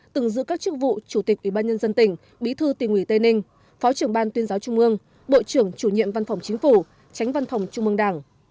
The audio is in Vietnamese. từng giữ các chức vụ chủ tịch ủy ban nhân dân tỉnh bí thư tỉnh ủy tây ninh phó trưởng ban tuyên giáo trung mương bộ trưởng chủ nhiệm văn phòng chính phủ tránh văn phòng trung mương đảng